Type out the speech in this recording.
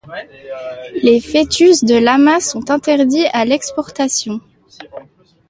Les fœtus de lamas sont interdits à l'exportation.